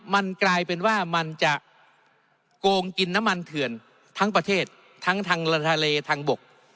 มันกลายเป็นว่ามันจะโกงกินน้ำมันเถื่อนทั้งประเทศทั้งทางทะเลทางบก